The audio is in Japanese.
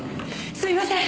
すみません！